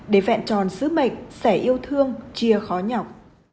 để vẹn tròn sứ mệnh sẻ yêu thương chia khó nhọc